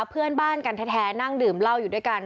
เพื่อนบ้านกันแท้นั่งดื่มเหล้าอยู่ด้วยกัน